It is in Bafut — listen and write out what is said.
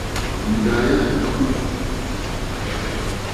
Ǹda ya ɨ khɨ.